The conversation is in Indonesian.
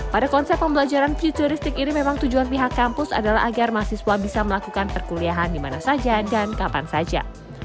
pada konsep pembelajaran futuristik ini memang tujuan pihak kampus adalah agar mahasiswa bisa melakukan perkuliahan di mana saja dan kapan saja